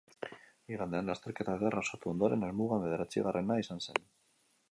Igandean lasterketa ederra osatu ondoren helmugan bederatzigarrena izan zen.